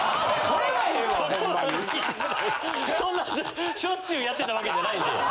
そんなしょっちゅうやってた訳じゃないんで。